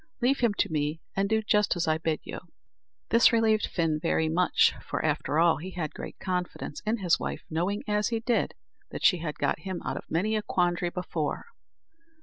Leave him to me, and do just as I bid you." This relieved Fin very much; for, after all, he had great confidence in his wife, knowing, as he did, that she had got him out of many a quandary before.